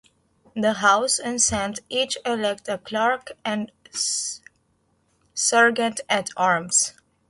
The House and Senate each elect a clerk and sergeant-at-arms.